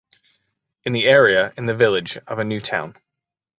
In the area in the village of a new town.